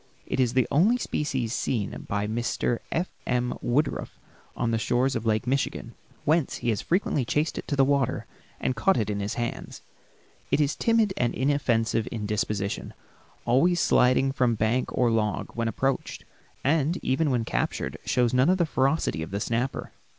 It is the only species seen by Mr. F. M. Woodruff on the shores of Lake Michigan, whence he has frequently chased it to the water and caught it in his hands. It is timid and inoffensive in disposition, always sliding from bank or log when approached, and even when captured shows none of the ferocity of the snapper.